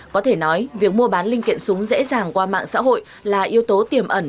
có thể nói việc mua bán linh kiện súng dễ dàng qua mạng xã hội là yếu tố tiềm ẩn